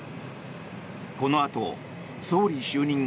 このあと総理就任後